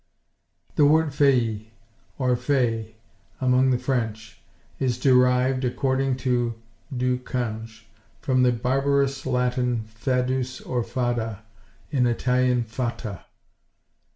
The word faée, or fée, among the French, is derived, according to Du Cange, from the barbarous Latin fadus or fada, in Italian fata.